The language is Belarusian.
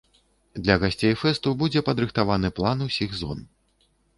Для гасцей фэсту будзе падрыхтаваны план усіх зон.